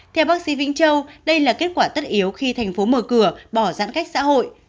theo bác sĩ vĩnh châu đây là kết quả tất yếu khi thành phố mở cửa bỏ giãn cách xã hội